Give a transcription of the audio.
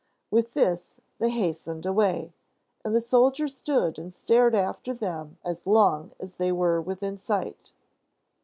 With this, they hastened away; and the soldier stood and stared after them as long as they were within sight.